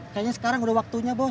kayaknya sekarang udah waktunya bos